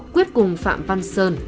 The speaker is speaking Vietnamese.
quyết cùng phạm văn sơn